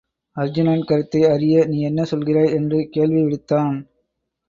அருச்சுனன் கருத்தை அறிய, நீ என்ன சொல்கிறாய்? என்று கேள்வி விடுத்தான்.